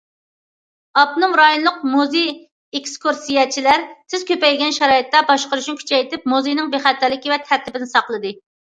ئاپتونوم رايونلۇق مۇزېي ئېكسكۇرسىيەچىلەر تېز كۆپەيگەن شارائىتتا، باشقۇرۇشنى كۈچەيتىپ، مۇزېينىڭ بىخەتەرلىكى ۋە تەرتىپىنى ساقلىدى.